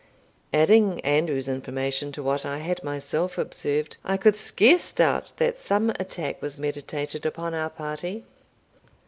Adding Andrew's information to what I had myself observed, I could scarce doubt that some attack was meditated upon our party.